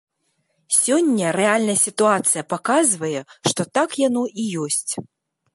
Сёння рэальная сітуацыя паказвае, што так яно і ёсць.